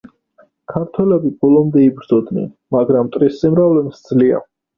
ქართველები ბოლომდე იბრძოდნენ, მაგრამ მტრის სიმრავლემ სძლია.